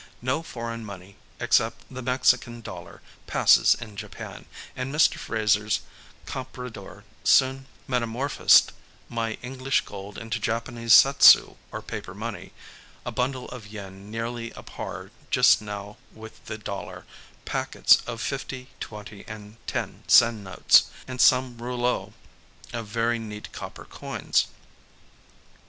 No foreign money except the Mexican dollar passes in Japan, and Mr. Fraser's compradore soon metamorphosed my English gold into Japanese satsu or paper money, a bundle of yen nearly at par just now with the dollar, packets of 50, 20, and 10 sen notes, and some rouleaux of very neat copper coins.